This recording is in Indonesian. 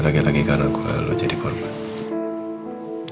lagi lagi karena lo jadi korban